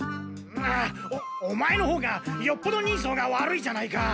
オオマエのほうがよっぽど人相が悪いじゃないか。